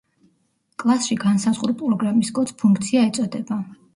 კლასში განსაზღვრულ პროგრამის კოდს ფუნქცია ეწოდება.